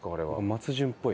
松潤っぽい。